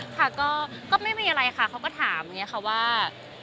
ค่ะก็ไม่มีอะไรค่ะเขาก็ถามว่า